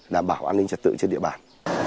đảm bảo an ninh trật tự trên địa bàn